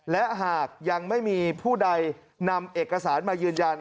และหากยังไม่มีผู้ใดนำเอกสารมายืนยัน